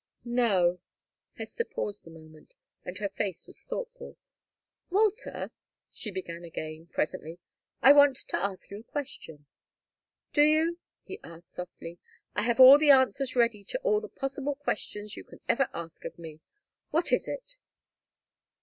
"No." Hester paused a moment, and her face was thoughtful. "Walter," she began again, presently, "I want to ask you a question." "Do you?" he asked, softly. "I have all the answers ready to all the possible questions you can ever ask of me. What is it?"